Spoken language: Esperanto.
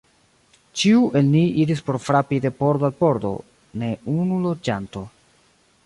Ĉiu el ni iris por frapi de pordo al pordo: ne unu loĝanto.